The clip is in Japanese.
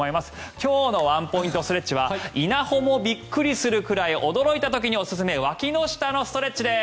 今日のワンポイントストレッチは稲穂もびっくりするくらい驚いた時におすすめわきの下のストレッチです。